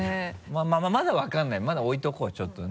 まぁまだ分かんないまだ置いておこうちょっとね。